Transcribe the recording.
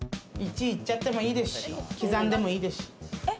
１位行っちゃってもいいですし、刻んでもいいですし。